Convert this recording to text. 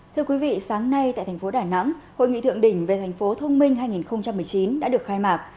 thưa quý vị sáng nay tại tp đà nẵng hội nghị thượng đỉnh về tp thông minh hai nghìn một mươi chín đã được khai mạc